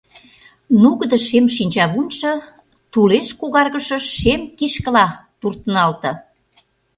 Нугыдо шем шинчавунжо тулеш когаргыше шем кишкыла туртыналте.